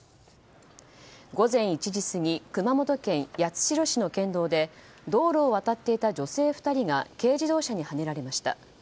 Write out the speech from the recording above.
午前１時過ぎ熊本県八代市の県道で道路を渡っていた女性２人が軽自動車にはねられました。